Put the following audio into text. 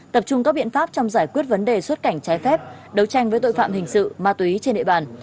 tập trung các biện pháp trong giải quyết vấn đề xuất cảnh trái phép đấu tranh với tội phạm hình sự ma túy trên địa bàn